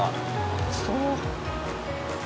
熱そう！